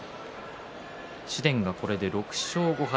紫雷が、これで６勝５敗